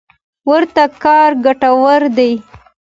ورته کار ګټور دی.